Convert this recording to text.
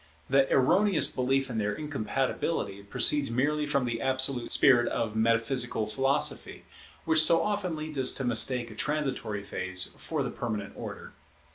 The erroneous belief in their incompatibility proceeds merely from the absolute spirit of metaphysical philosophy, which so often leads us to mistake a transitory phase for the permanent order.